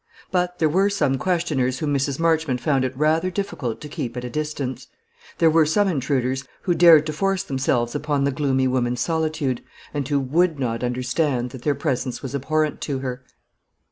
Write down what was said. But there were some questioners whom Mrs. Marchmont found it rather difficult to keep at a distance; there were some intruders who dared to force themselves upon the gloomy woman's solitude, and who would not understand that their presence was abhorrent to her.